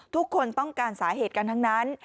ทุกคนต้องการสาเหตุกันทั้งนั้น